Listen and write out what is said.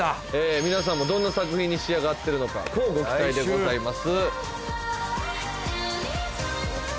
皆さんもどんな作品に仕上がってるのか乞うご期待でございます